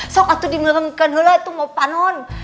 sok aku tuh dimenengkan dulu aku mau panon